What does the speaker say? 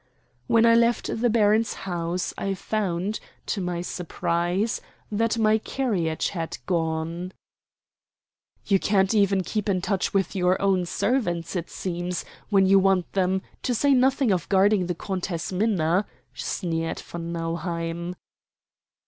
When I left the baron's house, I found, to my surprise, that my carriage had gone. "You can't even keep in touch with your own servants, it seems, when you want them, to say nothing of guarding the Countess Minna," sneered von Nauheim.